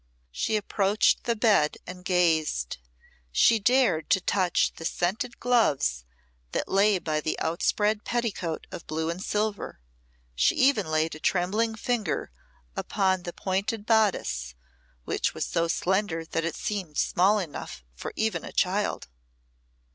She approached the bed and gazed; she dared to touch the scented gloves that lay by the outspread petticoat of blue and silver; she even laid a trembling finger upon the pointed bodice, which was so slender that it seemed small enough for even a child.